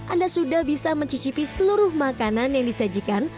anda sudah bisa mencicipi seluruh makanan yang disajikan